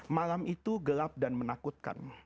malam itu gelap dan menakutkan